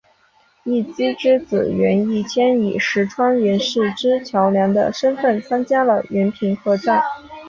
义基之子源义兼以石川源氏之栋梁的身份参加了源平合战。